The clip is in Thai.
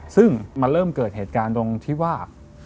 ซึ่งมันเริ่มเกิดเหตุการณ์ตรงที่ว่า